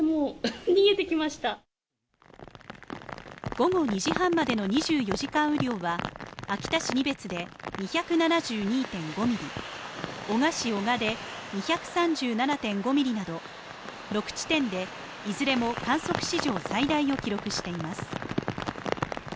午後２時半までの２４時間雨量は秋田市仁別で２７２．２５ミリ、男鹿市男鹿で２３７．５ミリなど６地点でいずれも観測史上最大を記録しています。